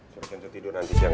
jagain kenzo tidur nanti siang ya